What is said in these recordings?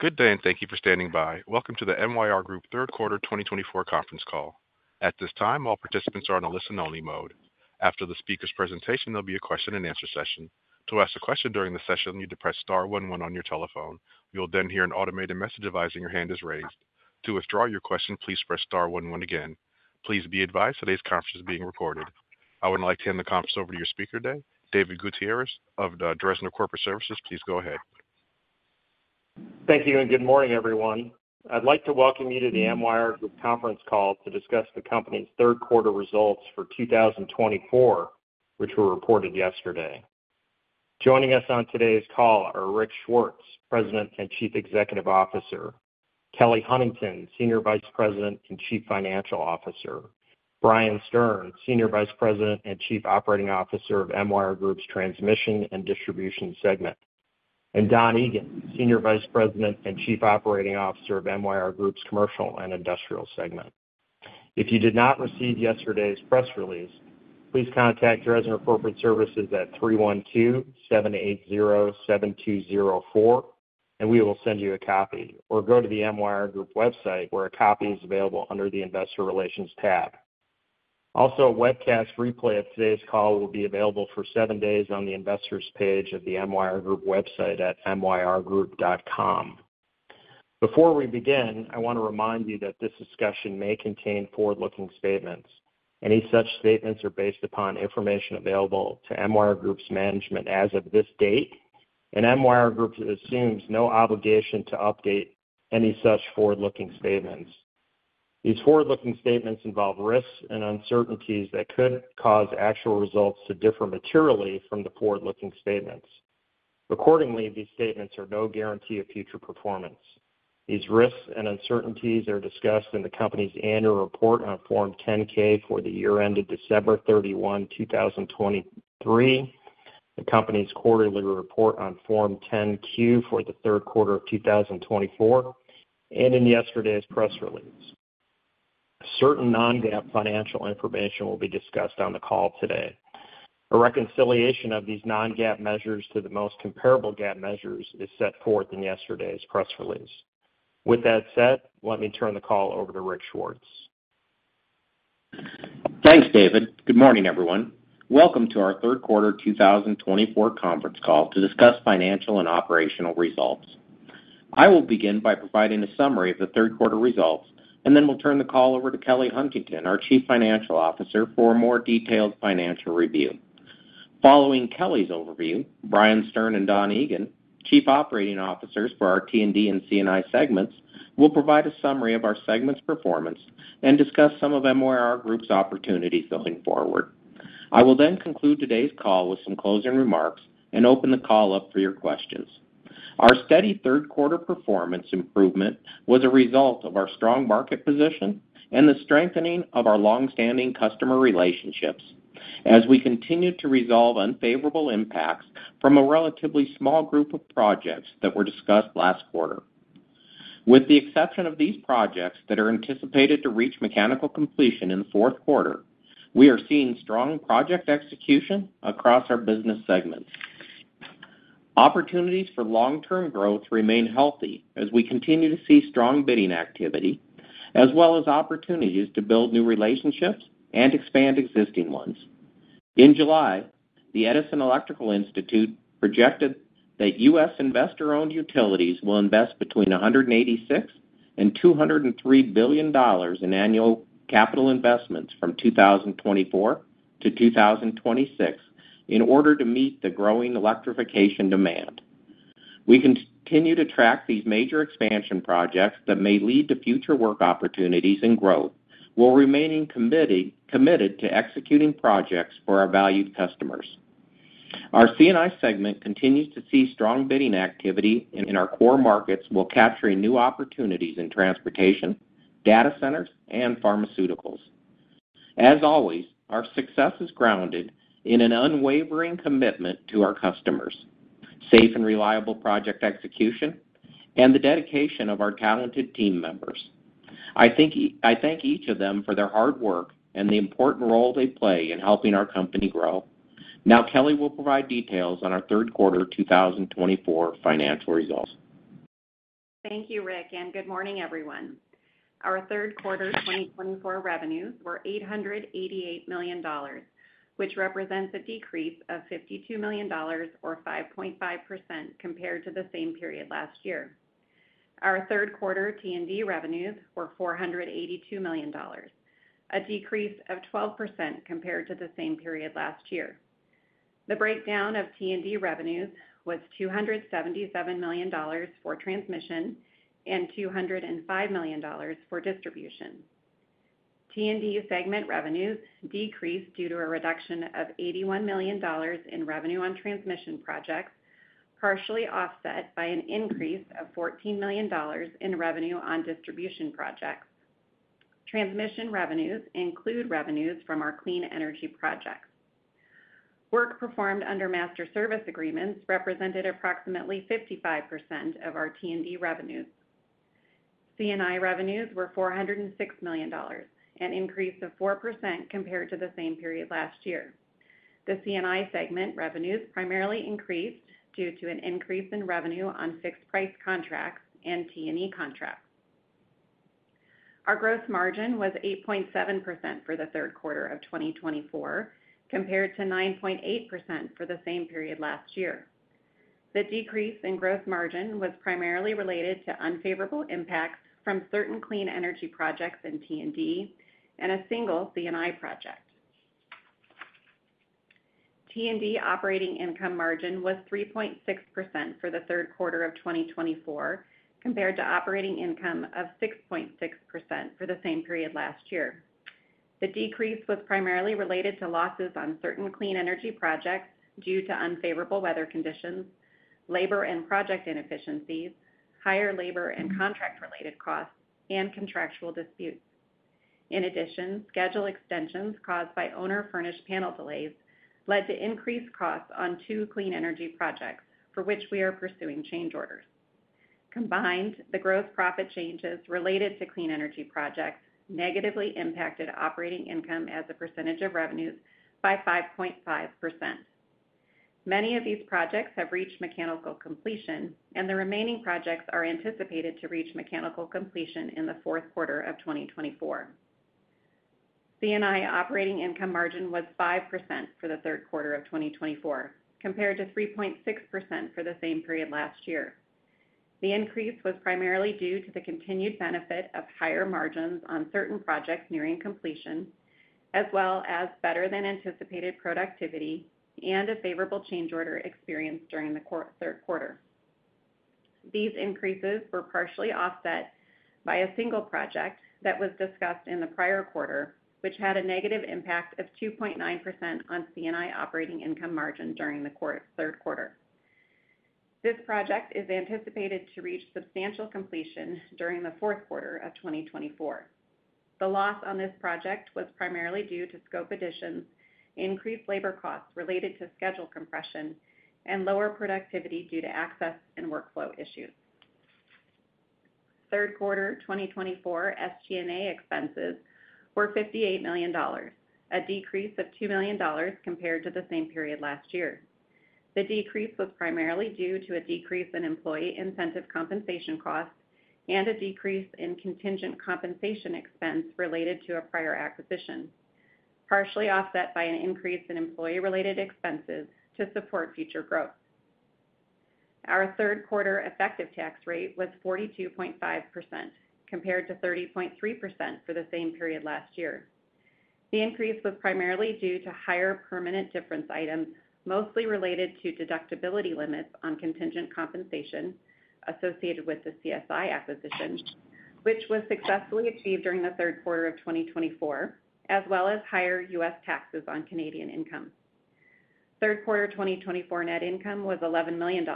Good day, and thank you for standing by. Welcome to the MYR Group third quarter 2024 conference call. At this time, all participants are on a listen-only mode. After the speaker's presentation, there'll be a question-and-answer session. To ask a question during the session, you need to press star one one on your telephone. You'll then hear an automated message advising your hand is raised. To withdraw your question, please press star one one again. Please be advised today's conference is being recorded. I would like to hand the conference over to your speaker today, David Gutierrez of the Dresner Corporate Services. Please go ahead. Thank you, and good morning, everyone. I'd like to welcome you to the MYR Group conference call to discuss the company's third quarter results for 2024, which were reported yesterday. Joining us on today's call are Rick Swartz, President and Chief Executive Officer. Kelly Huntington, Senior Vice President and Chief Financial Officer. Brian Stern, Senior Vice President and Chief Operating Officer of MYR Group's Transmission and Distribution segment. And Don Egan, Senior Vice President and Chief Operating Officer of MYR Group's Commercial and Industrial segment. If you did not receive yesterday's press release, please contact Dresner Corporate Services at 312-780-7204, and we will send you a copy. Or go to the MYR Group website where a copy is available under the Investor Relations tab. Also, a webcast replay of today's call will be available for seven days on the investors' page of the MYR Group website at myrgroup.com. Before we begin, I want to remind you that this discussion may contain forward-looking statements. Any such statements are based upon information available to MYR Group's management as of this date, and MYR Group assumes no obligation to update any such forward-looking statements. These forward-looking statements involve risks and uncertainties that could cause actual results to differ materially from the forward-looking statements. Accordingly, these statements are no guarantee of future performance. These risks and uncertainties are discussed in the company's annual report on Form 10-K for the year ended December 31, 2023, the company's quarterly report on Form 10-Q for the third quarter of 2024, and in yesterday's press release. Certain non-GAAP financial information will be discussed on the call today. A reconciliation of these non-GAAP measures to the most comparable GAAP measures is set forth in yesterday's press release. With that said, let me turn the call over to Rick Swartz. Thanks, David. Good morning, everyone. Welcome to our third quarter 2024 conference call to discuss financial and operational results. I will begin by providing a summary of the third quarter results, and then we'll turn the call over to Kelly Huntington, our Chief Financial Officer, for a more detailed financial review. Following Kelly's overview, Brian Stern and Don Egan, Chief Operating Officers for our T&D and C&I segments, will provide a summary of our segments' performance and discuss some of MYR Group's opportunities going forward. I will then conclude today's call with some closing remarks and open the call up for your questions. Our steady third quarter performance improvement was a result of our strong market position and the strengthening of our longstanding customer relationships as we continue to resolve unfavorable impacts from a relatively small group of projects that were discussed last quarter. With the exception of these projects that are anticipated to reach mechanical completion in the fourth quarter, we are seeing strong project execution across our business segments. Opportunities for long-term growth remain healthy as we continue to see strong bidding activity, as well as opportunities to build new relationships and expand existing ones. In July, the Edison Electric Institute projected that U.S. investor-owned utilities will invest between $186 billion and $203 billion in annual capital investments from 2024 to 2026 in order to meet the growing electrification demand. We continue to track these major expansion projects that may lead to future work opportunities and growth while remaining committed to executing projects for our valued customers. Our C&I segment continues to see strong bidding activity in our core markets, while capturing new opportunities in transportation, data centers, and pharmaceuticals. As always, our success is grounded in an unwavering commitment to our customers, safe and reliable project execution, and the dedication of our talented team members. I thank each of them for their hard work and the important role they play in helping our company grow. Now, Kelly will provide details on our third quarter 2024 financial results. Thank you, Rick, and good morning, everyone. Our third quarter 2024 revenues were $888 million, which represents a decrease of $52 million, or 5.5%, compared to the same period last year. Our third quarter T&D revenues were $482 million, a decrease of 12% compared to the same period last year. The breakdown of T&D revenues was $277 million for transmission and $205 million for distribution. T&D segment revenues decreased due to a reduction of $81 million in revenue on transmission projects, partially offset by an increase of $14 million in revenue on distribution projects. Transmission revenues include revenues from our clean energy projects. Work performed under master service agreements represented approximately 55% of our T&D revenues. C&I revenues were $406 million, an increase of 4% compared to the same period last year. The C&I segment revenues primarily increased due to an increase in revenue on fixed price contracts and T&M contracts. Our gross margin was 8.7% for the third quarter of 2024, compared to 9.8% for the same period last year. The decrease in gross margin was primarily related to unfavorable impacts from certain clean energy projects and T&D and a single C&I project. T&D operating income margin was 3.6% for the third quarter of 2024, compared to operating income of 6.6% for the same period last year. The decrease was primarily related to losses on certain clean energy projects due to unfavorable weather conditions, labor and project inefficiencies, higher labor and contract-related costs, and contractual disputes. In addition, schedule extensions caused by owner-furnished panel delays led to increased costs on two clean energy projects, for which we are pursuing change orders. Combined, the gross profit changes related to clean energy projects negatively impacted operating income as a percentage of revenues by 5.5%. Many of these projects have reached mechanical completion, and the remaining projects are anticipated to reach mechanical completion in the fourth quarter of 2024. C&I operating income margin was 5% for the third quarter of 2024, compared to 3.6% for the same period last year. The increase was primarily due to the continued benefit of higher margins on certain projects nearing completion, as well as better-than-anticipated productivity and a favorable change order experienced during the third quarter. These increases were partially offset by a single project that was discussed in the prior quarter, which had a negative impact of 2.9% on C&I operating income margin during the third quarter. This project is anticipated to reach substantial completion during the fourth quarter of 2024. The loss on this project was primarily due to scope additions, increased labor costs related to schedule compression, and lower productivity due to access and workflow issues. Third quarter 2024 SG&A expenses were $58 million, a decrease of $2 million compared to the same period last year. The decrease was primarily due to a decrease in employee incentive compensation costs and a decrease in contingent compensation expense related to a prior acquisition, partially offset by an increase in employee-related expenses to support future growth. Our third quarter effective tax rate was 42.5%, compared to 30.3% for the same period last year. The increase was primarily due to higher permanent difference items, mostly related to deductibility limits on contingent compensation associated with the CSI acquisition, which was successfully achieved during the third quarter of 2024, as well as higher U.S. taxes on Canadian income. Third quarter 2024 net income was $11 million,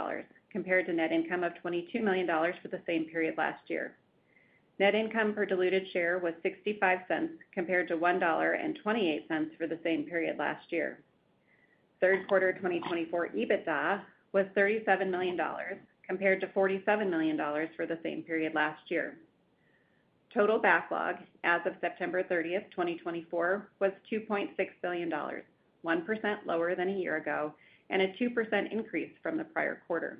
compared to net income of $22 million for the same period last year. Net income per diluted share was $0.65, compared to $1.28 for the same period last year. Third quarter 2024 EBITDA was $37 million, compared to $47 million for the same period last year. Total backlog as of September 30, 2024, was $2.6 billion, 1% lower than a year ago, and a 2% increase from the prior quarter.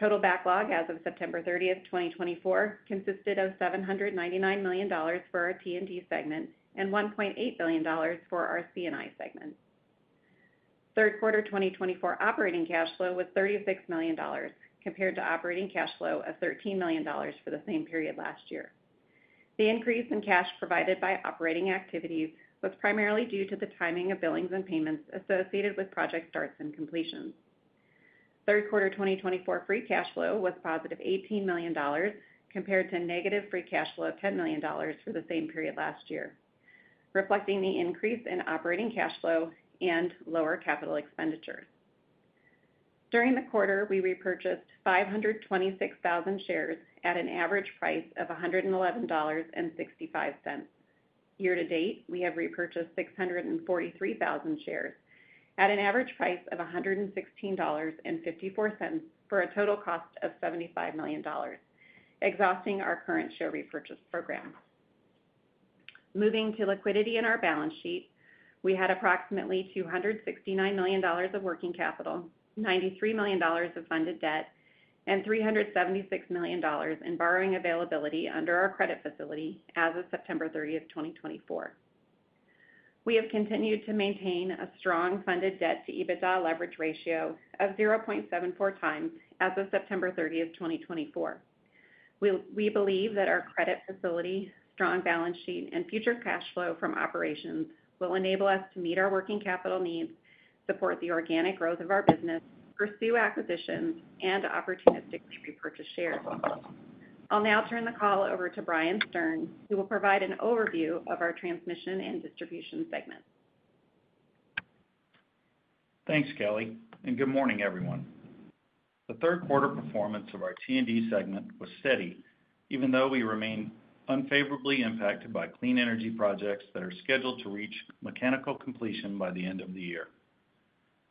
Total backlog as of September 30, 2024, consisted of $799 million for our T&D segment and $1.8 billion for our C&I segment. Third quarter 2024 operating cash flow was $36 million, compared to operating cash flow of $13 million for the same period last year. The increase in cash provided by operating activities was primarily due to the timing of billings and payments associated with project starts and completions. Third quarter 2024 free cash flow was positive $18 million, compared to negative free cash flow of $10 million for the same period last year, reflecting the increase in operating cash flow and lower capital expenditures. During the quarter, we repurchased 526,000 shares at an average price of $111.65. year-to-date, we have repurchased 643,000 shares at an average price of $116.54 for a total cost of $75 million, exhausting our current share repurchase program. Moving to liquidity in our balance sheet, we had approximately $269 million of working capital, $93 million of funded debt, and $376 million in borrowing availability under our credit facility as of September 30, 2024. We have continued to maintain a strong funded debt-to-EBITDA leverage ratio of 0.74 times as of September 30, 2024. We believe that our credit facility, strong balance sheet, and future cash flow from operations will enable us to meet our working capital needs, support the organic growth of our business, pursue acquisitions, and opportunistically repurchase shares. I'll now turn the call over to Brian Stern, who will provide an overview of our transmission and distribution segments. Thanks, Kelly, and good morning, everyone. The third quarter performance of our T&D segment was steady, even though we remained unfavorably impacted by clean energy projects that are scheduled to reach mechanical completion by the end of the year.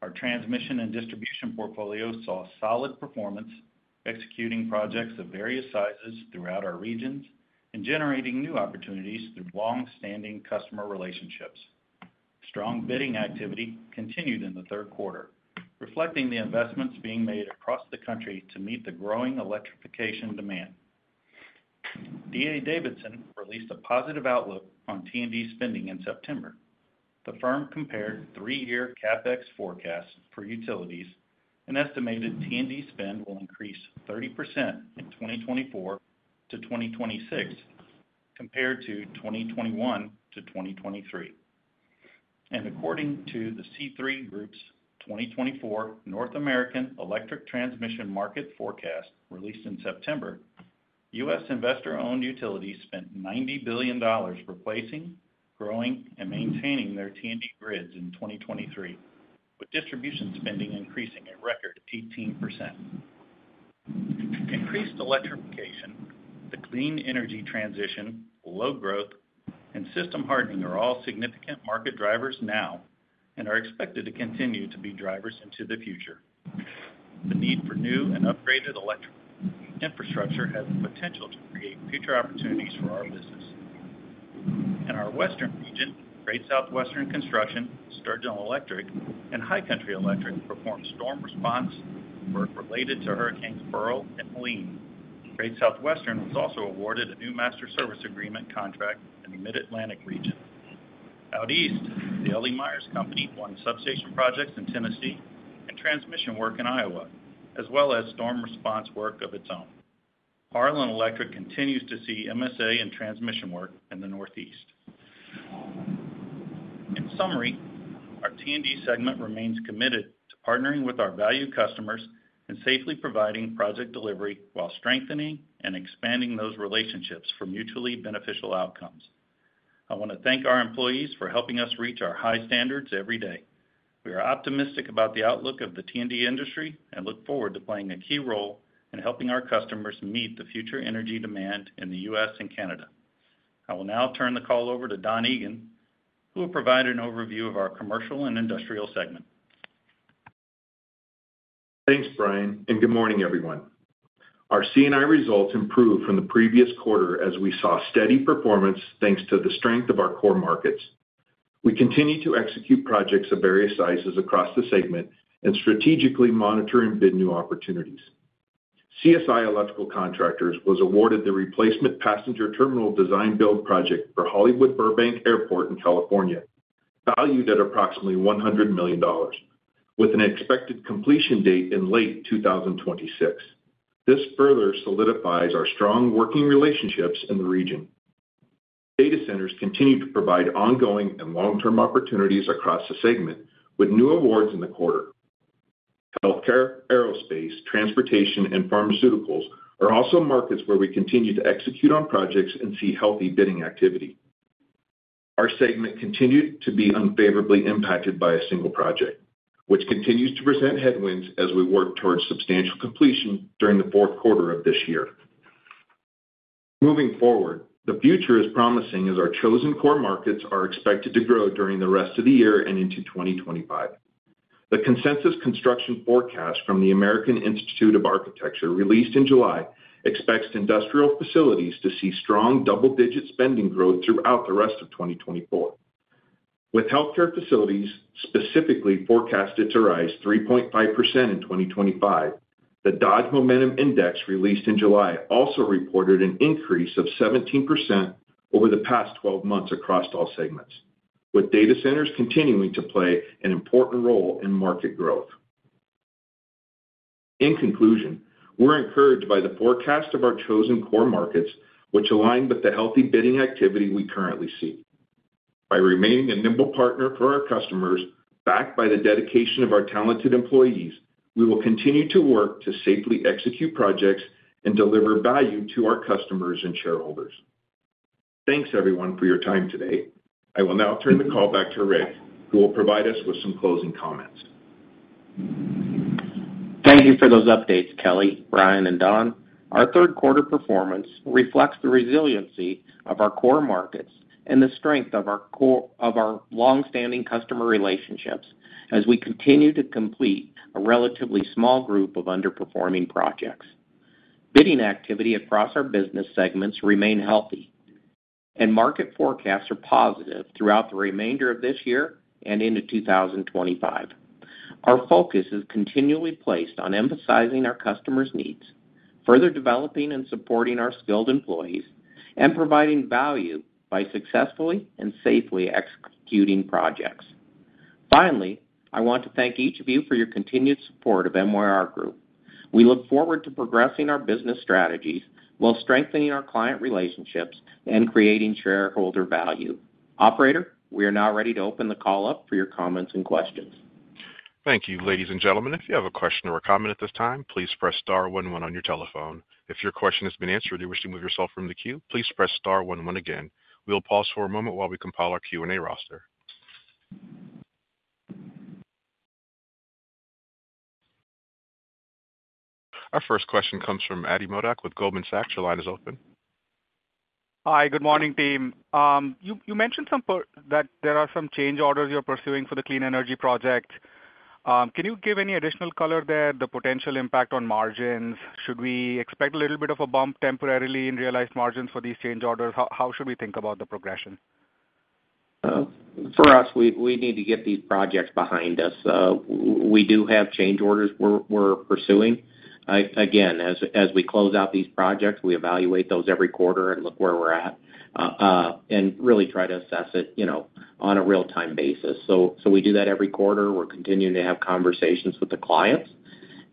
Our transmission and distribution portfolio saw solid performance, executing projects of various sizes throughout our regions and generating new opportunities through longstanding customer relationships. Strong bidding activity continued in the third quarter, reflecting the investments being made across the country to meet the growing electrification demand. D.A. Davidson released a positive outlook on T&D spending in September. The firm compared three-year CapEx forecasts for utilities and estimated T&D spend will increase 30% in 2024 to 2026, compared to 2021 to 2023, and according to the C3 Group's 2024 North American Electric Transmission Market Forecast released in September, U.S. investor-owned utilities spent $90 billion replacing, growing, and maintaining their T&D grids in 2023, with distribution spending increasing a record 18%. Increased electrification, the clean energy transition, load growth, and system hardening are all significant market drivers now and are expected to continue to be drivers into the future. The need for new and upgraded electrical infrastructure has the potential to create future opportunities for our business. In our Western region, Great Southwestern Construction, Sturgeon Electric, and High Country Line Construction performed storm response work related to Hurricanes Beryl and Helene. Great Southwestern was also awarded a new master service agreement contract in the Mid-Atlantic region. Out east, The L.E. Myers Co. won substation projects in Tennessee and transmission work in Iowa, as well as storm response work of its own. Harlan Electric continues to see MSA and transmission work in the Northeast. In summary, our T&D segment remains committed to partnering with our valued customers and safely providing project delivery while strengthening and expanding those relationships for mutually beneficial outcomes. I want to thank our employees for helping us reach our high standards every day. We are optimistic about the outlook of the T&D industry and look forward to playing a key role in helping our customers meet the future energy demand in the U.S. and Canada. I will now turn the call over to Don Egan, who will provide an overview of our commercial and industrial segment. Thanks, Brian, and good morning, everyone. Our C&I results improved from the previous quarter as we saw steady performance thanks to the strength of our core markets. We continue to execute projects of various sizes across the segment and strategically monitor and bid new opportunities. CSI Electrical Contractors was awarded the replacement passenger terminal design-build project for Hollywood Burbank Airport in California, valued at approximately $100 million, with an expected completion date in late 2026. This further solidifies our strong working relationships in the region. Data centers continue to provide ongoing and long-term opportunities across the segment, with new awards in the quarter. Healthcare, aerospace, transportation, and pharmaceuticals are also markets where we continue to execute on projects and see healthy bidding activity. Our segment continued to be unfavorably impacted by a single project, which continues to present headwinds as we work towards substantial completion during the fourth quarter of this year. Moving forward, the future is promising as our chosen core markets are expected to grow during the rest of the year and into 2025. The Consensus Construction Forecast from the American Institute of Architects released in July expects industrial facilities to see strong double-digit spending growth throughout the rest of 2024. With healthcare facilities specifically forecasted to rise 3.5% in 2025, the Dodge Momentum Index released in July also reported an increase of 17% over the past 12 months across all segments, with data centers continuing to play an important role in market growth. In conclusion, we're encouraged by the forecast of our chosen core markets, which align with the healthy bidding activity we currently see. By remaining a nimble partner for our customers, backed by the dedication of our talented employees, we will continue to work to safely execute projects and deliver value to our customers and shareholders. Thanks, everyone, for your time today. I will now turn the call back to Rick, who will provide us with some closing comments. Thank you for those updates, Kelly, Brian, and Don. Our third quarter performance reflects the resiliency of our core markets and the strength of our longstanding customer relationships as we continue to complete a relatively small group of underperforming projects. Bidding activity across our business segments remains healthy, and market forecasts are positive throughout the remainder of this year and into 2025. Our focus is continually placed on emphasizing our customers' needs, further developing and supporting our skilled employees, and providing value by successfully and safely executing projects. Finally, I want to thank each of you for your continued support of MYR Group. We look forward to progressing our business strategies while strengthening our client relationships and creating shareholder value. Operator, we are now ready to open the call up for your comments and questions. Thank you, ladies and gentlemen. If you have a question or a comment at this time, please press star one one on your telephone. If your question has been answered or you wish to move yourself from the queue, please press star one one again. We'll pause for a moment while we compile our Q&A roster. Our first question comes from Ati Modak with Goldman Sachs. Your line is open. Hi, good morning, team. You mentioned that there are some change orders you're pursuing for the clean energy project. Can you give any additional color there? The potential impact on margins? Should we expect a little bit of a bump temporarily in realized margins for these change orders? How should we think about the progression? For us, we need to get these projects behind us. We do have change orders we're pursuing. Again, as we close out these projects, we evaluate those every quarter and look where we're at and really try to assess it on a real-time basis. So we do that every quarter. We're continuing to have conversations with the clients.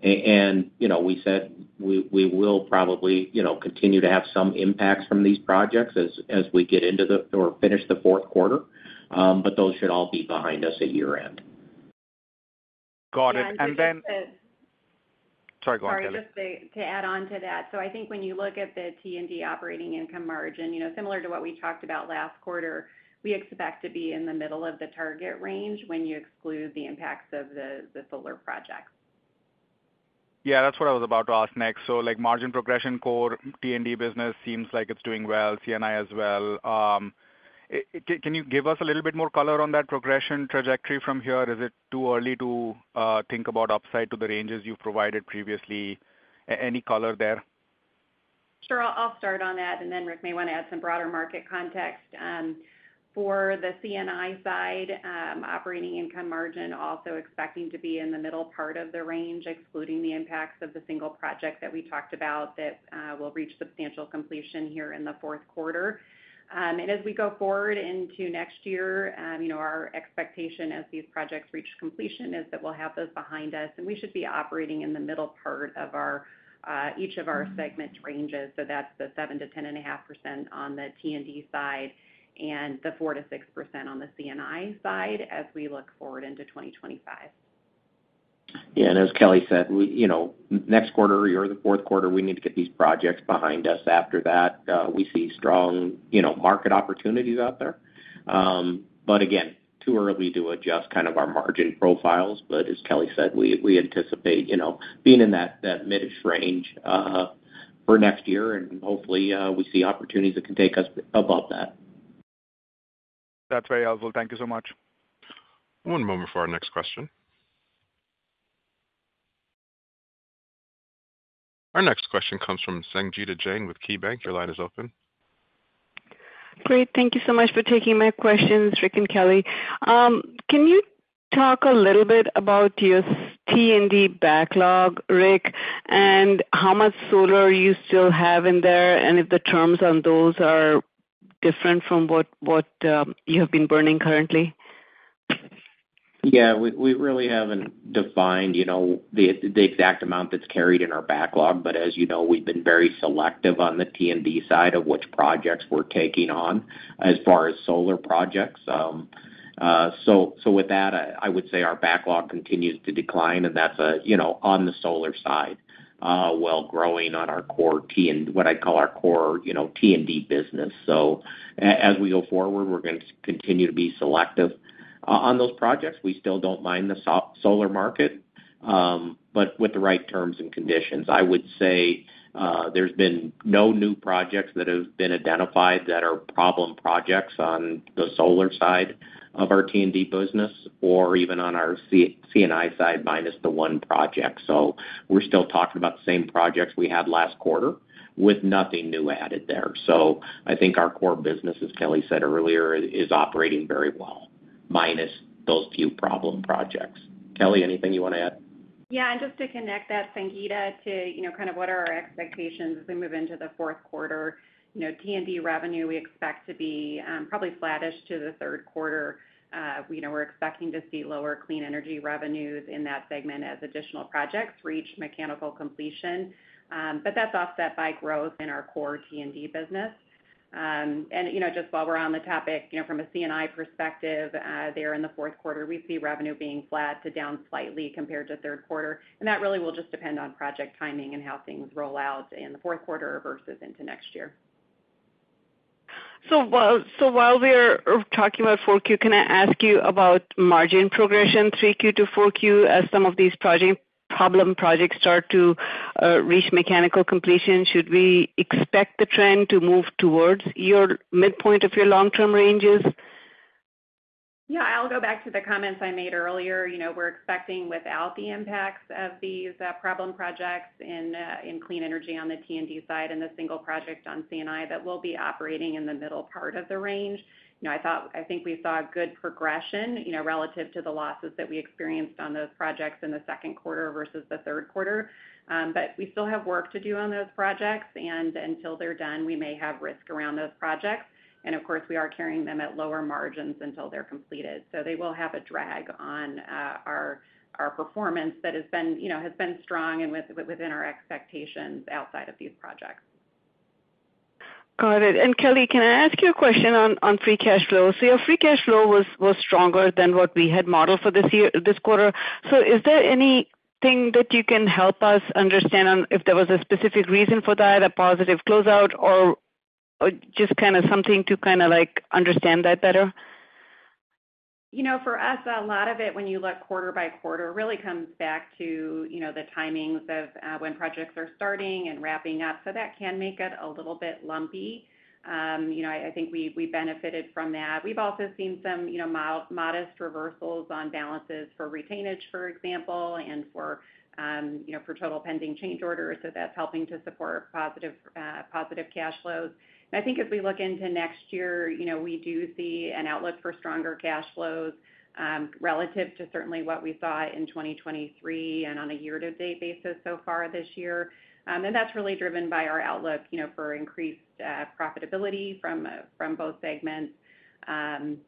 And we said we will probably continue to have some impacts from these projects as we get into the, or finish the fourth quarter, but those should all be behind us at year-end. Got it. And then. Sorry, go ahead, Kelly. Sorry, just to add on to that. So I think when you look at the T&D operating income margin, similar to what we talked about last quarter, we expect to be in the middle of the target range when you exclude the impacts of the solar projects. Yeah, that's what I was about to ask next. So margin progression core, T&D business seems like it's doing well. C&I as well. Can you give us a little bit more color on that progression trajectory from here? Is it too early to think about upside to the ranges you've provided previously? Any color there? Sure, I'll start on that. And then Rick may want to add some broader market context. For the C&I side, operating income margin also expecting to be in the middle part of the range, excluding the impacts of the single project that we talked about that will reach substantial completion here in the fourth quarter. And as we go forward into next year, our expectation as these projects reach completion is that we'll have those behind us, and we should be operating in the middle part of each of our segment ranges. So that's the 7%-10.5% on the T&D side and the 4%-6% on the C&I side as we look forward into 2025. Yeah, and as Kelly said, next quarter or the fourth quarter, we need to get these projects behind us. After that, we see strong market opportunities out there. But again, too early to adjust kind of our margin profiles. But as Kelly said, we anticipate being in that mid-ish range for next year, and hopefully, we see opportunities that can take us above that. That's very helpful. Thank you so much. One moment for our next question. Our next question comes from Sangita Jain with KeyBanc. Your line is open. Great. Thank you so much for taking my questions, Rick and Kelly. Can you talk a little bit about your T&D backlog, Rick, and how much solar you still have in there and if the terms on those are different from what you have been burning currently? Yeah, we really haven't defined the exact amount that's carried in our backlog. But as you know, we've been very selective on the T&D side of which projects we're taking on as far as solar projects. So with that, I would say our backlog continues to decline, and that's on the solar side, while growing on our core T&D, what I call our core T&D business. So as we go forward, we're going to continue to be selective on those projects. We still don't mind the solar market, but with the right terms and conditions. I would say there's been no new projects that have been identified that are problem projects on the solar side of our T&D business or even on our C&I side, minus the one project. So we're still talking about the same projects we had last quarter with nothing new added there. So I think our core business, as Kelly said earlier, is operating very well, minus those few problem projects. Kelly, anything you want to add? Yeah, and just to connect that, Sangita, to kind of what are our expectations as we move into the fourth quarter? T&D revenue, we expect to be probably flatish to the third quarter. We're expecting to see lower clean energy revenues in that segment as additional projects reach mechanical completion. But that's offset by growth in our core T&D business. Just while we're on the topic, from a C&I perspective, there in the fourth quarter, we see revenue being flat to down slightly compared to third quarter. That really will just depend on project timing and how things roll out in the fourth quarter versus into next year. So while we're talking about 4Q, can I ask you about margin progression 3Q to 4Q as some of these problem projects start to reach mechanical completion? Should we expect the trend to move towards your midpoint of your long-term ranges? Yeah, I'll go back to the comments I made earlier. We're expecting without the impacts of these problem projects in clean energy on the T&D side and the single project on C&I that we'll be operating in the middle part of the range. I think we saw a good progression relative to the losses that we experienced on those projects in the second quarter versus the third quarter. But we still have work to do on those projects, and until they're done, we may have risk around those projects. And of course, we are carrying them at lower margins until they're completed. So they will have a drag on our performance that has been strong and within our expectations outside of these projects. Got it. And Kelly, can I ask you a question on free cash flow? So your free cash flow was stronger than what we had modeled for this quarter. So is there anything that you can help us understand if there was a specific reason for that, a positive closeout, or just kind of something to kind of understand that better? For us, a lot of it, when you look quarter by quarter, really comes back to the timings of when projects are starting and wrapping up. So that can make it a little bit lumpy. I think we benefited from that. We've also seen some modest reversals on balances for retainage, for example, and for total pending change orders. So that's helping to support positive cash flows. And I think as we look into next year, we do see an outlook for stronger cash flows relative to certainly what we saw in 2023 and on a year-to-date basis so far this year. And that's really driven by our outlook for increased profitability from both segments. And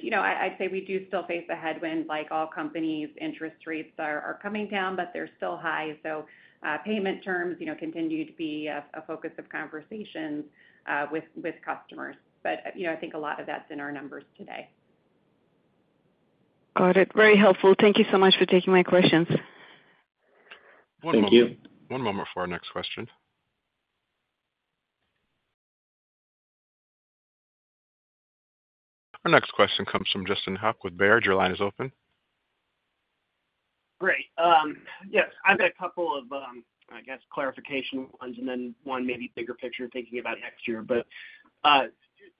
I'd say we do still face a headwind. Like all companies, interest rates are coming down, but they're still high. So payment terms continue to be a focus of conversations with customers. But I think a lot of that's in our numbers today. Got it. Very helpful. Thank you so much for taking my questions. One moment for our next question. Our next question comes from Justin Hauke with Baird. Your line is open. Great. Yes, I've got a couple of, I guess, clarification ones and then one maybe bigger picture thinking about next year. But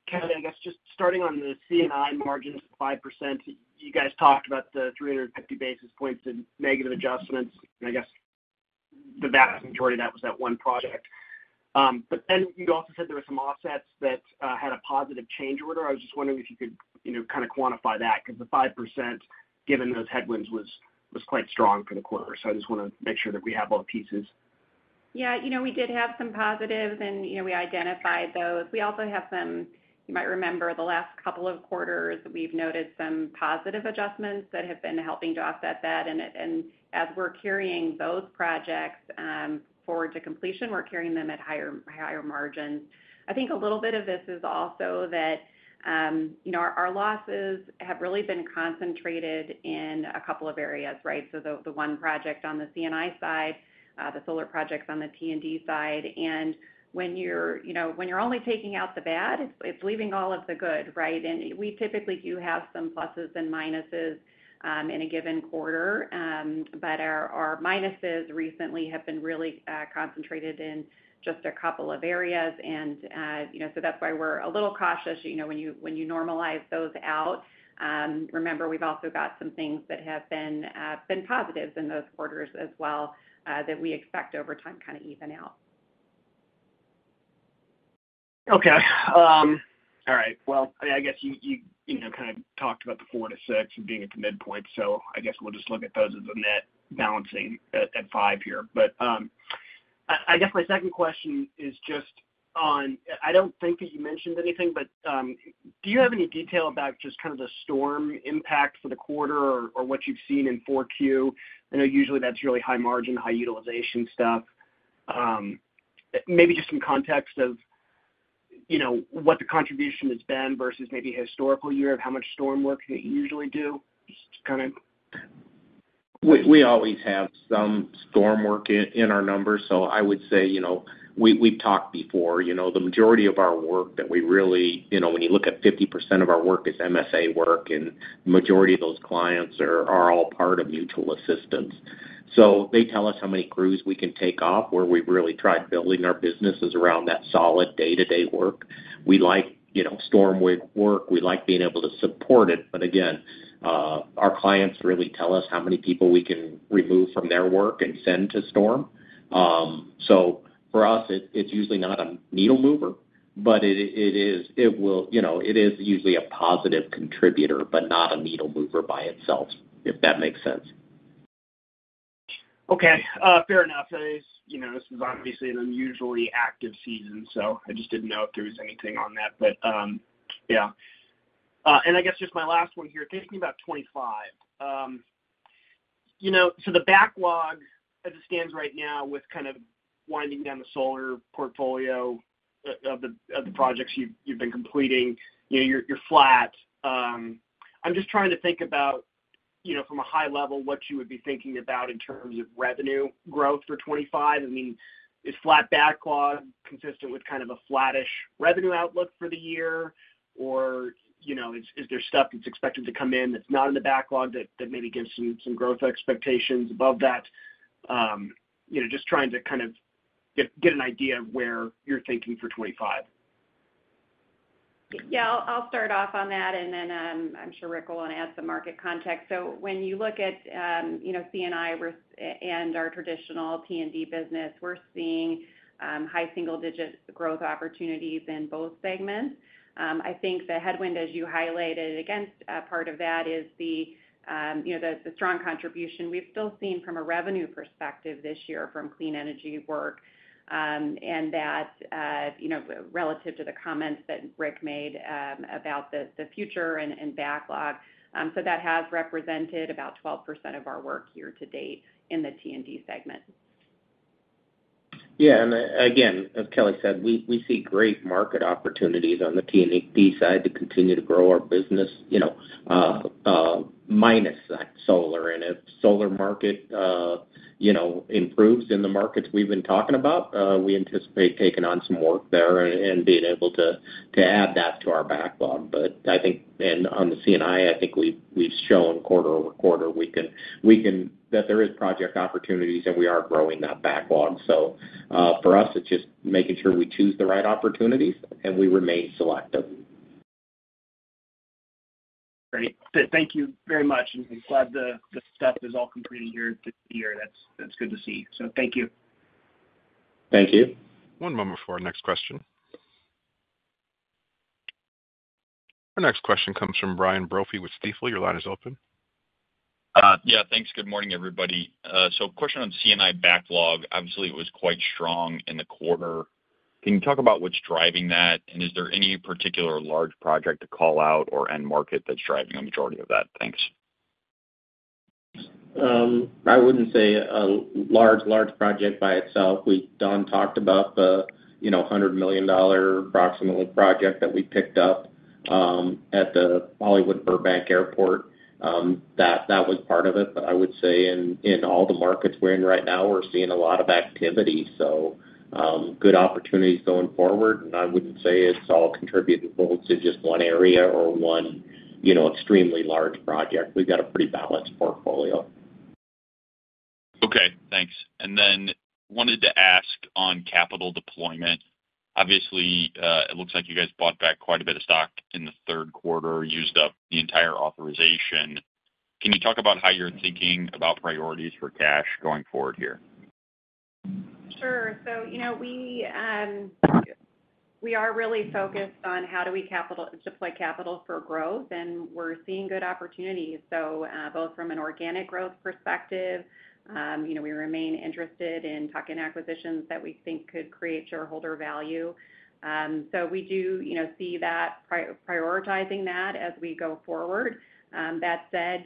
Kelly, I guess just starting on the C&I margins of 5%, you guys talked about the 350 basis points and negative adjustments. And I guess the vast majority of that was that one project. But then you also said there were some offsets that had a positive change order. I was just wondering if you could kind of quantify that because the 5%, given those headwinds, was quite strong for the quarter. So I just want to make sure that we have all the pieces. Yeah, we did have some positives, and we identified those. We also have some, you might remember, the last couple of quarters, we've noted some positive adjustments that have been helping to offset that. And as we're carrying those projects forward to completion, we're carrying them at higher margins. I think a little bit of this is also that our losses have really been concentrated in a couple of areas, right? So the one project on the C&I side, the solar projects on the T&D side. And when you're only taking out the bad, it's leaving all of the good, right? And we typically do have some pluses and minuses in a given quarter. But our minuses recently have been really concentrated in just a couple of areas. And so that's why we're a little cautious when you normalize those out. Remember, we've also got some things that have been positives in those quarters as well that we expect over time kind of even out. Okay. All right. Well, I guess you kind of talked about the four to six and being at the midpoint. So I guess we'll just look at those as a net balancing at five here. But I guess my second question is just on. I don't think that you mentioned anything, but do you have any detail about just kind of the storm impact for the quarter or what you've seen in 4Q? I know usually that's really high margin, high utilization stuff. Maybe just some context of what the contribution has been versus maybe historical year of how much storm work that you usually do? Just kind of. We always have some storm work in our numbers. So I would say we've talked before. The majority of our work that we really when you look at 50% of our work is MSA work, and the majority of those clients are all part of mutual assistance. So they tell us how many crews we can take off where we really tried building our businesses around that solid day-to-day work. We like storm work. We like being able to support it. But again, our clients really tell us how many people we can remove from their work and send to storm. So for us, it's usually not a needle mover, but it is usually a positive contributor, but not a needle mover by itself, if that makes sense. Okay. Fair enough. This is obviously an unusually active season, so I just didn't know if there was anything on that. But yeah, and I guess just my last one here, thinking about 2025. So the backlog, as it stands right now, with kind of winding down the solar portfolio of the projects you've been completing, you're flat. I'm just trying to think about, from a high level, what you would be thinking about in terms of revenue growth for 2025. I mean, is flat backlog consistent with kind of a flattish revenue outlook for the year? Or is there stuff that's expected to come in that's not in the backlog that maybe gives some growth expectations above that? Just trying to kind of get an idea of where you're thinking for 2025. Yeah, I'll start off on that, and then I'm sure Rick will want to add some market context. So when you look at C&I and our traditional T&D business, we're seeing high single-digit growth opportunities in both segments. I think the headwind, as you highlighted, again, part of that is the strong contribution we've still seen from a revenue perspective this year from clean energy work and that relative to the comments that Rick made about the future and backlog. So that has represented about 12% of our work year-to-date in the T&D segment. Yeah, and again, as Kelly said, we see great market opportunities on the T&D side to continue to grow our business minus solar. If the solar market improves in the markets we've been talking about, we anticipate taking on some work there and being able to add that to our backlog. I think on the C&I, I think we've shown quarter over quarter that there are project opportunities, and we are growing that backlog. For us, it's just making sure we choose the right opportunities and we remain selective. Great. Thank you very much, and I'm glad the stuff is all completed year-to-year. That's good to see, so thank you. Thank you. One moment for our next question. Our next question comes from Brian Brophy with Stifel. Your line is open. Yeah. Thanks. Good morning, everybody. So, question on C&I backlog. Obviously, it was quite strong in the quarter. Can you talk about what's driving that? And is there any particular large project to call out or end market that's driving a majority of that? Thanks. I wouldn't say a large, large project by itself. Don talked about the $100 million approximately project that we picked up at the Hollywood Burbank Airport. That was part of it. But I would say in all the markets we're in right now, we're seeing a lot of activity. So good opportunities going forward. And I wouldn't say it's all contributing both to just one area or one extremely large project. We've got a pretty balanced portfolio. Okay. Thanks. And then wanted to ask on capital deployment. Obviously, it looks like you guys bought back quite a bit of stock in the third quarter, used up the entire authorization. Can you talk about how you're thinking about priorities for cash going forward here? Sure. So we are really focused on how do we deploy capital for growth, and we're seeing good opportunities. So both from an organic growth perspective, we remain interested in talking acquisitions that we think could create shareholder value. So we do see that prioritizing that as we go forward. That said,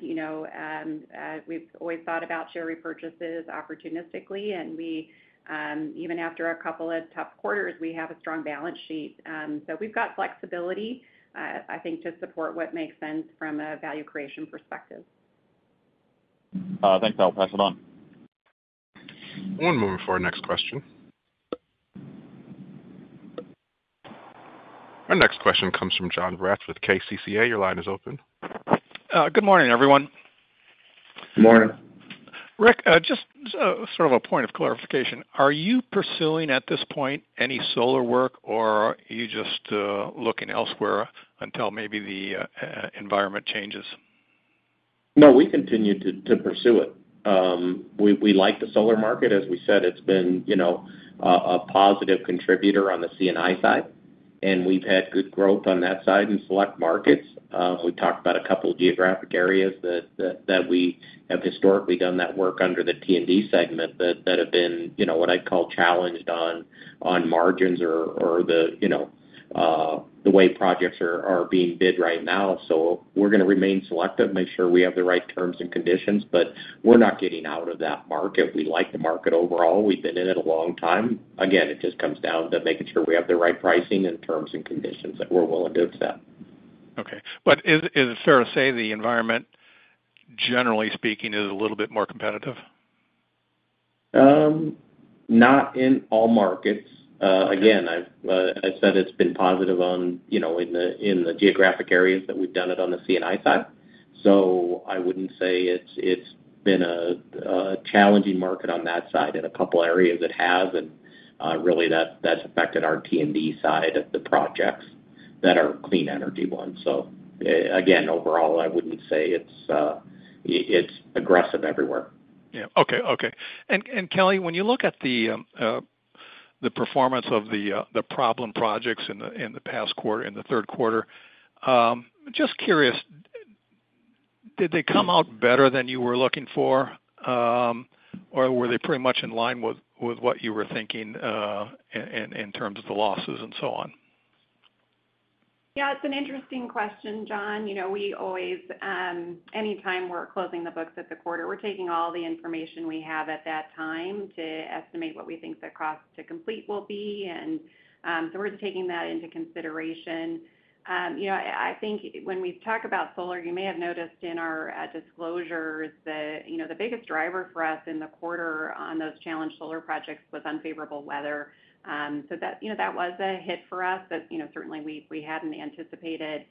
we've always thought about share repurchases opportunistically. And even after a couple of tough quarters, we have a strong balance sheet. So we've got flexibility, I think, to support what makes sense from a value creation perspective. Thanks, I'll pass it on. One moment for our next question. Our next question comes from Jon Braatz with KCCA. Your line is open. Good morning, everyone. Good morning. Rick, just sort of a point of clarification. Are you pursuing at this point any solar work, or are you just looking elsewhere until maybe the environment changes? No, we continue to pursue it. We like the solar market. As we said, it's been a positive contributor on the C&I side. And we've had good growth on that side in select markets. We talked about a couple of geographic areas that we have historically done that work under the T&D segment that have been what I'd call challenged on margins or the way projects are being bid right now. So we're going to remain selective, make sure we have the right terms and conditions. But we're not getting out of that market. We like the market overall. We've been in it a long time. Again, it just comes down to making sure we have the right pricing and terms and conditions that we're willing to accept. Okay, but is it fair to say the environment, generally speaking, is a little bit more competitive? Not in all markets. Again, I said it's been positive in the geographic areas that we've done it on the C&I side. So I wouldn't say it's been a challenging market on that side. In a couple of areas, it has. And really, that's affected our T&D side of the projects that are clean energy ones. So again, overall, I wouldn't say it's aggressive everywhere. Yeah. Okay. Okay. And Kelly, when you look at the performance of the problem projects in the past quarter, in the third quarter, just curious, did they come out better than you were looking for, or were they pretty much in line with what you were thinking in terms of the losses and so on? Yeah, it's an interesting question, Jon. We always, anytime we're closing the books at the quarter, we're taking all the information we have at that time to estimate what we think the cost to complete will be. And so we're taking that into consideration. I think when we talk about solar, you may have noticed in our disclosures that the biggest driver for us in the quarter on those challenged solar projects was unfavorable weather. So that was a hit for us that certainly we hadn't anticipated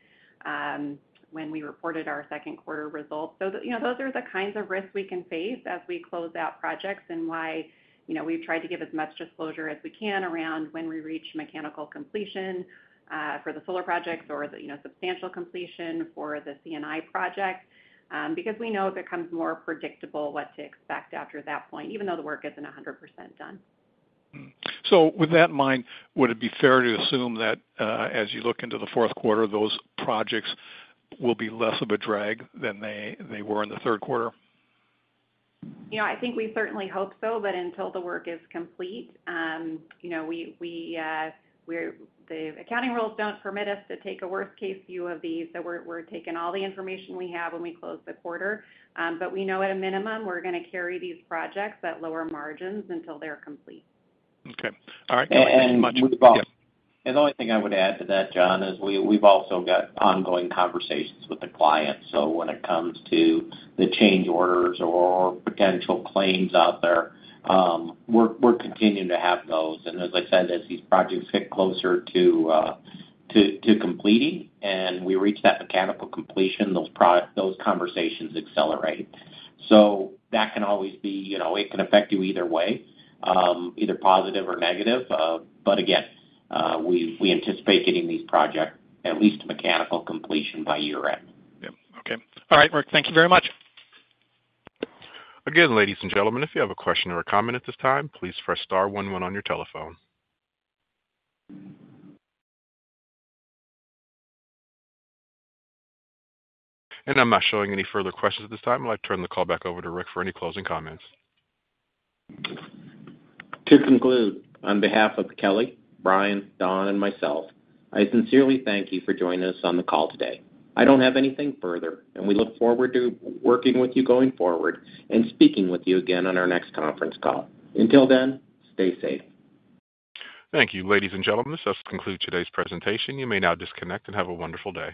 when we reported our second quarter results. So those are the kinds of risks we can face as we close out projects and why we've tried to give as much disclosure as we can around when we reach mechanical completion for the solar projects or substantial completion for the C&I project. Because we know it becomes more predictable what to expect after that point, even though the work isn't 100% done. So with that in mind, would it be fair to assume that as you look into the fourth quarter, those projects will be less of a drag than they were in the third quarter? I think we certainly hope so, but until the work is complete, the accounting rules don't permit us to take a worst-case view of these. So we're taking all the information we have when we close the quarter. But we know at a minimum, we're going to carry these projects at lower margins until they're complete. Okay. All right. Thank you very much. And the only thing I would add to that, Jon, is we've also got ongoing conversations with the clients. So when it comes to the change orders or potential claims out there, we're continuing to have those. And as I said, as these projects get closer to completing and we reach that mechanical completion, those conversations accelerate. So that can always be, it can affect you either way, either positive or negative. But again, we anticipate getting these projects, at least mechanical completion by year-end. Yeah. Okay. All right, Rick. Thank you very much. Again, ladies and gentlemen, if you have a question or a comment at this time, please press star one one on your telephone. And I'm not showing any further questions at this time. I'd like to turn the call back over to Rick for any closing comments. To conclude, on behalf of Kelly, Brian, Don, and myself, I sincerely thank you for joining us on the call today. I don't have anything further, and we look forward to working with you going forward and speaking with you again on our next conference call. Until then, stay safe. Thank you, ladies and gentlemen. This does conclude today's presentation. You may now disconnect and have a wonderful day.